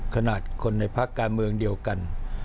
ขนาดคนในภาคการเมืองเดียวกัน